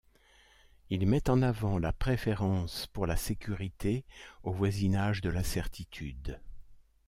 Il met en avant la préférence pour la sécurité au voisinage de la certitude.